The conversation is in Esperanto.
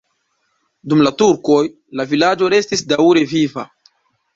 Dum la turkoj la vilaĝo restis daŭre viva.